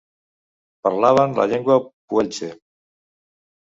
Parlaven la llengua Puelche.